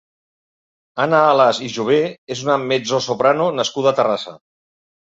Anna Alàs i Jové és una mezzosoprano nascuda a Terrassa.